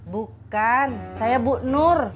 bukan saya bu nur